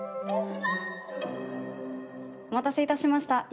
お待たせいたしました。